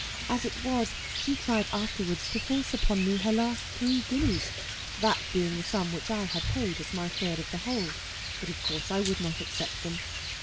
As it was, she tried afterwards to force upon me her last three guineas (that being the sum which I had paid, as my third of the whole), but of course I would not accept them.